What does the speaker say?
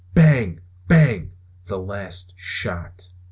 Bang! Bang! The last shot.